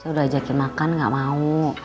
saya udah ajakin makan gak mau